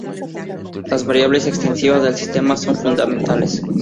Las variables extensivas del sistema son fundamentales.